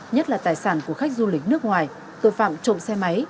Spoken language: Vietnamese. nhất là tài sản của khách du lịch nước ngoài tội phạm trộm xe máy